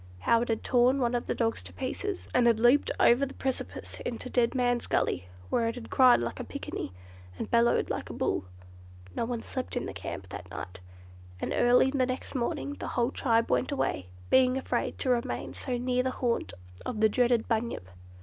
How it had torn one of the dogs to pieces, and had leaped over the precipice into Dead Man's Gully, where it had cried like a picaninny, and bellowed like a bull. No one slept in the camp that night, and early the next morning the whole tribe went away, being afraid to remain so near the haunt of the dreaded "Bunyip."